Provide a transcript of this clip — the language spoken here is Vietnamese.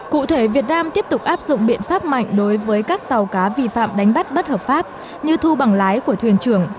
cụ thể việt nam tiếp tục áp dụng biện pháp mạnh đối với các tàu cá vi phạm đánh bắt bất hợp pháp như thu bằng lái của thuyền trưởng